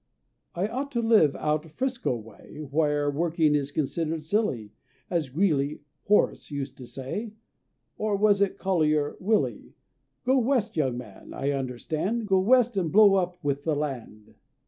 I ought to live out 'Frisco way, Where working is considered silly, As Greeley (Horace) used to say, Or was it Collier (Willie)? "Go West, young man" (I understand), "Go West and blow up with the land!"